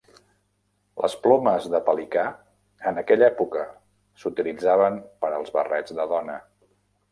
Les plomes de pelicà, en aquella època, s'utilitzaven per als barrets de dona.